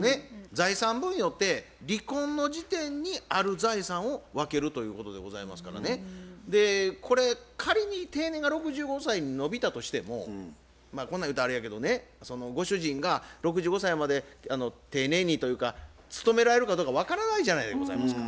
財産分与って離婚の時点にある財産を分けるということでございますからねこれ仮に定年が６５歳に延びたとしてもこんなん言うたらあれやけどねご主人が６５歳まで丁寧にというか勤められるかどうか分からないじゃないでございますか。